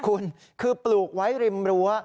คุณคือปลูกไว้ริมรั้ว